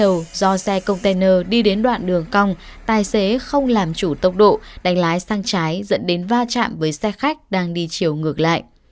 lúc đầu do xe container đi đến đoạn đường cong tài xế không làm chủ tốc độ đánh lái sang trái dẫn đến va chạm với xe khách đang đi chiều ngược lại